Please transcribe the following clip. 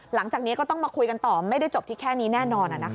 หลังจากนี้ก็ต้องมาคุยกันต่อไม่ได้จบที่แค่นี้แน่นอน